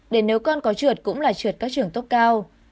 để nếu con có trượt cũng là trượt các trưởng tốt cao